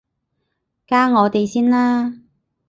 加我哋先啦